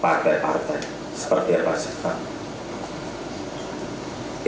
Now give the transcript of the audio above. partai partai seperti apa saya